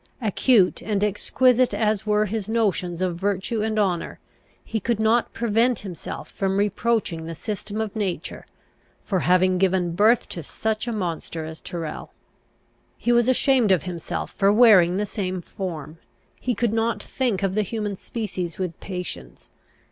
Acute and exquisite as were his notions of virtue and honour, he could not prevent himself from reproaching the system of nature, for having given birth to such a monster as Tyrrel. He was ashamed of himself for wearing the same form. He could not think of the human species with patience.